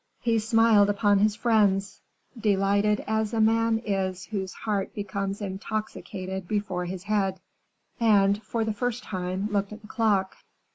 He smiled upon his friends, delighted as a man is whose heart becomes intoxicated before his head and, for the first time, looked at the clock.